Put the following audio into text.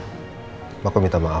tidur di kamar yang terbisa